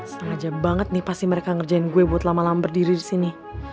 sengaja banget nih pasti mereka ngerjain gue buat lama lama berdiri di sini